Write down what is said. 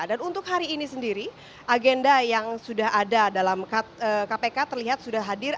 dan untuk hari ini sendiri agenda yang sudah ada dalam kpk terlihat sudah hadir